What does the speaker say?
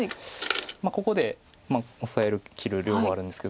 ここでオサえる切る両方あるんですけど。